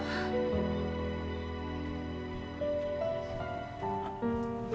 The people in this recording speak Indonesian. aduh hati gue ngenes banget ya allah